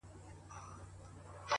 چي یوازي ملکه او خپل سترخان سو-